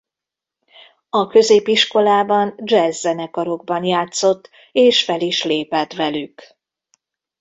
A középiskolában jazz zenekarokban játszott és fel is lépett velük.